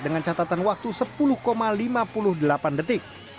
dengan catatan waktu sepuluh lima puluh delapan detik